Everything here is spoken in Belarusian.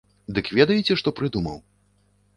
Дык ведаеце, што прыдумаў?